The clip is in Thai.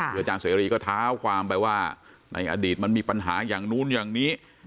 เจ้าทางเสรีท้าวความไปว่าในอดีตมันมีปัญหาอย่างนู้นอย่างนี้